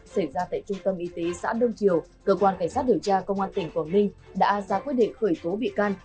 xảy ra tại trung tâm y tế xã đông triều cơ quan cảnh sát điều tra công an tỉnh quảng ninh đã ra quyết định khởi tố bị can